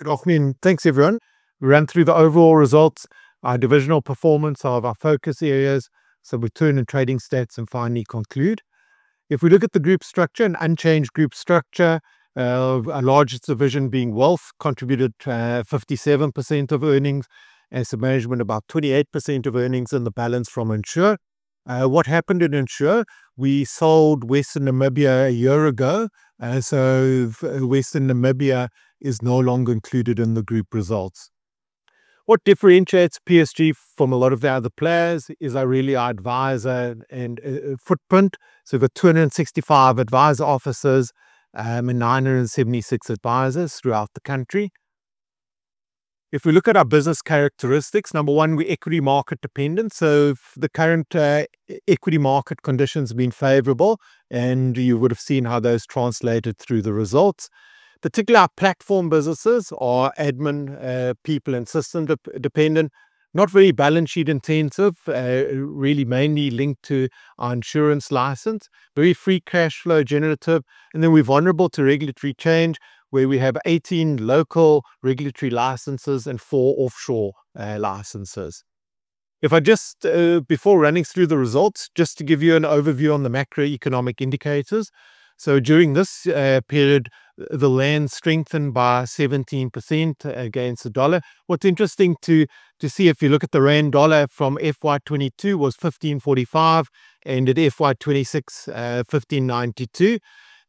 Good afternoon. Thanks, everyone. We ran through the overall results, our divisional performance of our focus areas, so return and trading stats, finally conclude. Our largest division being wealth, contributed 57% of earnings. assets under management, about 28% of earnings, the balance from Insure. What happened in Insure? We sold Western National Namibia a year ago, Western National Namibia is no longer included in the group results. What differentiates PSG from a lot of the other players is really our advisor and footprint. We've got 265 advisor offices, and 976 advisors throughout the country. Number one, we're equity market dependent. If the current equity market conditions have been favorable, you would have seen how those translated through the results. Particularly our platform businesses, our admin, people, and system dependent, not very balance sheet intensive. Really mainly linked to our insurance license. Very free cash flow generative. We're vulnerable to regulatory change, where we have 18 local regulatory licenses and four offshore licenses. Before running through the results, just to give you an overview on the macroeconomic indicators. During this period, the ZAR strengthened by 17% against the U.S. dollar. What's interesting to see, if you look at the ZAR/U.S. dollar from FY 2022 was 15.45, ended FY 2026, 15.92.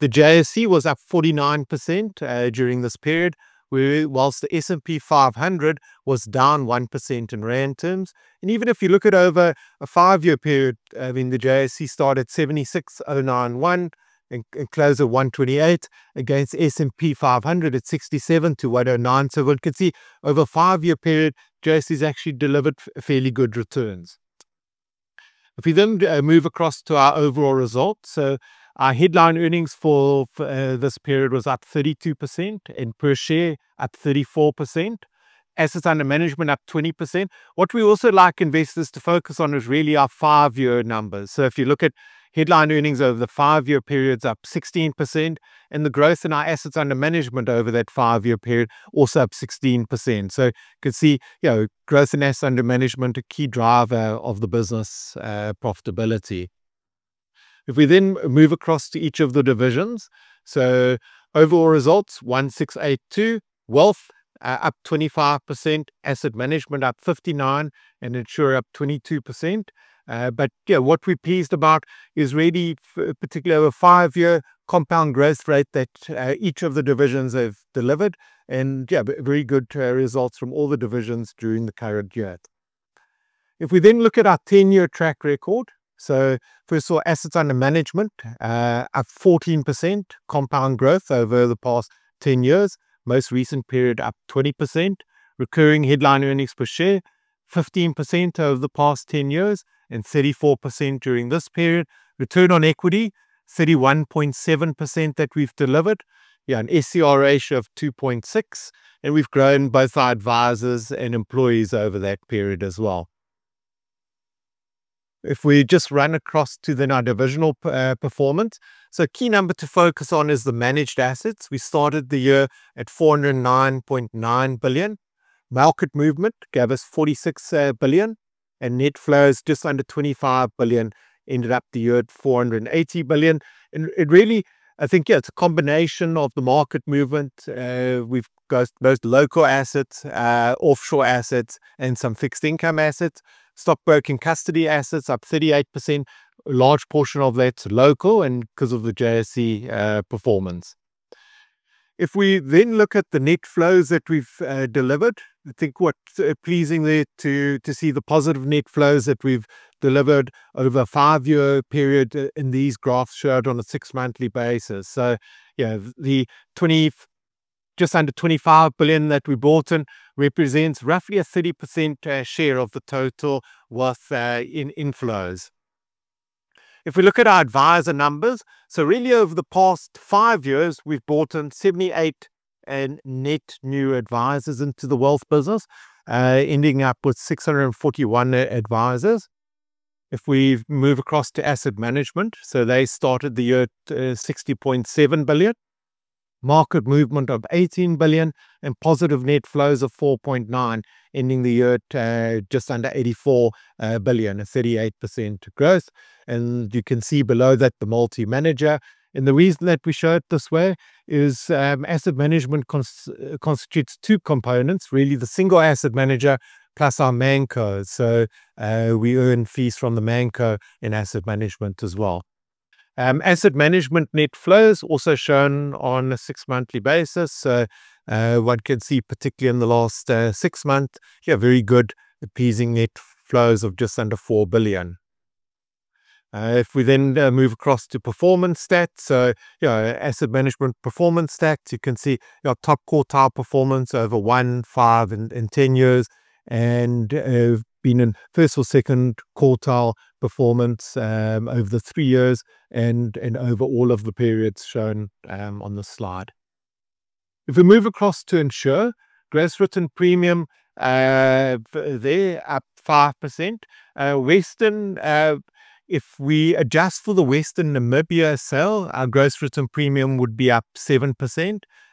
The JSE was up 49% during this period, whilst the S&P 500 was down 1% in ZAR terms. Even if you look at over a five-year period, the JSE started 76,091 and closed at 128 against S&P 500 at 67 to 109. We can see over a five-year period, JSE's actually delivered fairly good returns. Our headline earnings for this period was up 32%, per share up 34%. assets under management up 20%. What we also like investors to focus on is really our five-year numbers. If you look at headline earnings over the five-year period is up 16%, the growth in our assets under management over that five-year period, also up 16%. You can see growth in assets under management, a key driver of the business profitability. Overall results, 1,682. Wealth, up 25%, asset management up 59%, Insure up 22%. What we're pleased about is really, particularly over five-year compound growth rate that each of the divisions have delivered. Very good results from all the divisions during the current year. assets under management, up 14% compound growth over the past 10 years. Most recent period up 20%. recurring headline earnings per share, 15% over the past 10 years and 34% during this period. Return on equity, 31.7% that we've delivered. An SCR ratio of 2.6. We've grown both our advisors and employees over that period as well. Key number to focus on is the managed assets. We started the year at 409.9 billion. Market movement gave us 46 billion, net flows just under 25 billion, ended up the year at 480 billion. It really, it's a combination of the market movement with both local assets, offshore assets, and some fixed income assets. Stockbroking custody assets up 38%. A large portion of that's local because of the JSE performance. We look at the net flows that we've delivered, I think what's pleasing there to see the positive net flows that we've delivered over a five-year period in these graphs showed on a six-monthly basis. The just under 25 billion that we brought in represents roughly a 30% share of the total worth in inflows. We look at our advisor numbers, over the past five years, we've brought in 78 net new advisors into the wealth business, ending up with 641 advisors. We move across to asset management. They started the year at 60.7 billion. Market movement of 18 billion, positive net flows of 4.9 billion, ending the year at just under 84 billion, a 38% growth. You can see below that, the multi-manager. The reason that we show it this way is asset management constitutes two components, really the single asset manager plus our Manco. We earn fees from the Manco in asset management as well. Asset management net flows also shown on a six-monthly basis. One can see particularly in the last six months, very good pleasing net flows of just under 4 billion. We move across to performance stats. Asset management performance stats, you can see our top quartile performance over one, five, and 10 years. Have been in first or second quartile performance over the three years and over all of the periods shown on the slide. If we move across to Insure, gross written premium there up 5%. We adjust for the Western National Namibia sale, our gross written premium would be up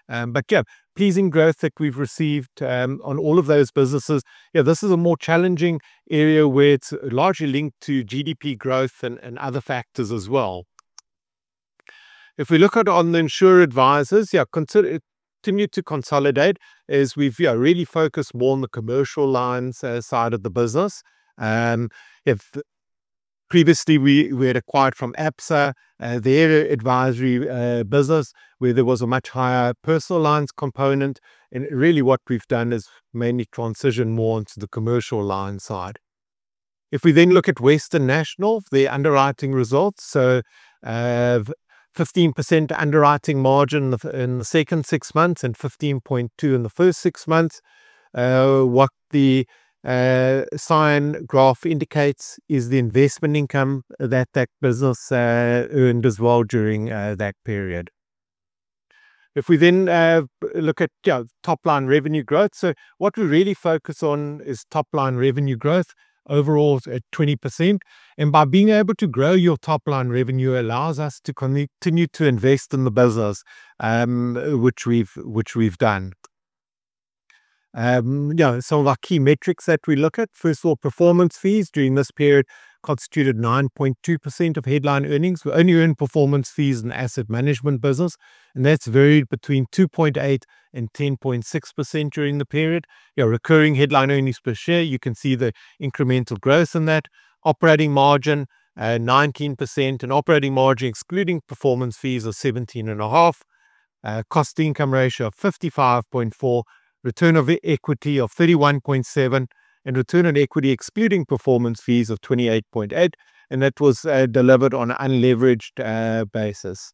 7%. Pleasing growth that we've received on all of those businesses. This is a more challenging area where it's largely linked to GDP growth and other factors as well. We look at on the Insure advises, continue to consolidate, as we've really focused more on the commercial lines side of the business. Previously, we had acquired from Absa, their advisory business, where there was a much higher personal lines component, and really what we've done is mainly transition more onto the commercial lines side. We look at Western National, their underwriting results, 15% underwriting margin in the second six months and 15.2% in the first six months. What the line graph indicates is the investment income that business earned as well during that period. We look at top line revenue growth. What we really focus on is top line revenue growth overall at 20%. By being able to grow your top line revenue allows us to continue to invest in the business, which we've done. Some of our key metrics that we look at. First of all, performance fees during this period constituted 9.2% of headline earnings. We only earn performance fees in asset management business, that's varied between 2.8%-10.6% during the period. Your recurring headline earnings per share, you can see the incremental growth in that. Operating margin, 19%, operating margin excluding performance fees of 17.5%. Cost income ratio of 55.4%. Return on equity of 31.7%. Return on equity excluding performance fees of 28.8%, that was delivered on an unleveraged basis.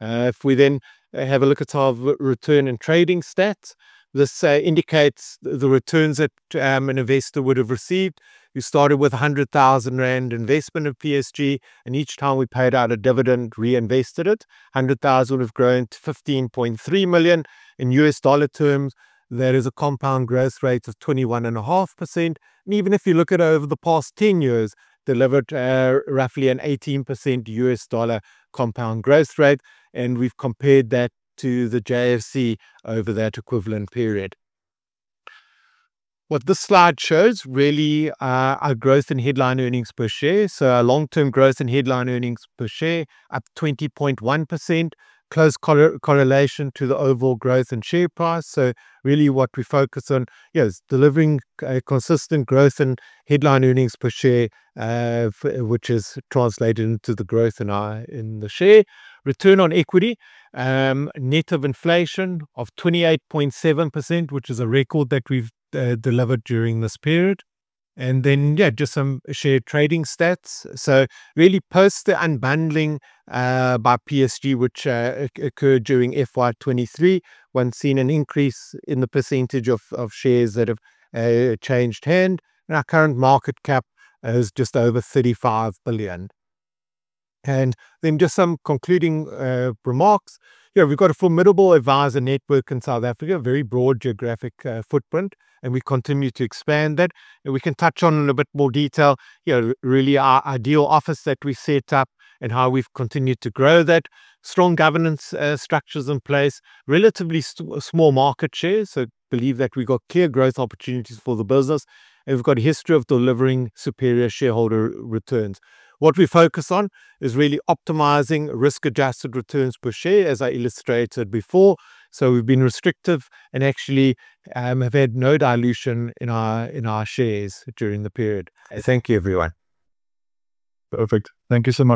We have a look at our return and trading stats. This indicates the returns that an investor would have received. You started with 100,000 rand investment of PSG. Each time we paid out a dividend, reinvested it. 100,000 would have grown to 15.3 million. In USD terms, that is a compound growth rate of 21.5%. Even if you look at over the past 10 years, delivered roughly an 18% USD compound growth rate. We've compared that to the JSE over that equivalent period. What this slide shows, really, our growth in headline earnings per share. Our long-term growth in headline earnings per share up 20.1%. Close correlation to the overall growth and share price. Really what we focus on is delivering a consistent growth in headline earnings per share, which has translated into the growth in the share. Return on equity, net of inflation of 28.7%, which is a record that we've delivered during this period. Then just some share trading stats. Really post the unbundling by PSG, which occurred during FY23, one seen an increase in the percentage of shares that have changed hand. Our current market cap is just over 35 billion. Then just some concluding remarks. We've got a formidable advisor network in South Africa, a very broad geographic footprint. We continue to expand that. We can touch on in a bit more detail, really our ideal office that we set up and how we've continued to grow that. Strong governance structures in place. Relatively small market share, believe that we've got clear growth opportunities for the business. We've got a history of delivering superior shareholder returns. What we focus on is really optimizing risk-adjusted returns per share, as I illustrated before. We've been restrictive and actually have had no dilution in our shares during the period. Thank you everyone. Perfect. Thank you so much